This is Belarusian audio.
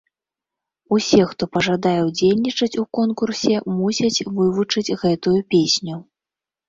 Усе, хто пажадае ўдзельнічаць у конкурсе, мусяць вывучыць гэтую песню.